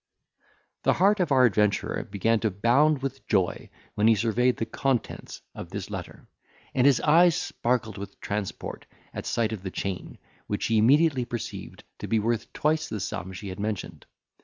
The heart of our adventurer began to bound with joy when he surveyed the contents of this letter; and his eyes sparkled with transport at sight of the chain, which he immediately perceived to be worth twice the sum she had mentioned.